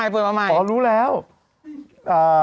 ชอบคุณครับ